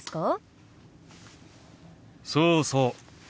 そうそう。